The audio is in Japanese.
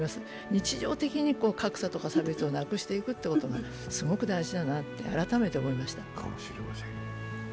日常的に格差とか差別をなくしていくことがすごく大事だなと改めて思いました。